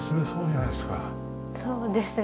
そうですね。